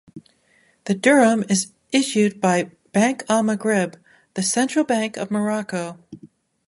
The dirham is issued by the Bank Al-Maghrib, the central bank of Morocco.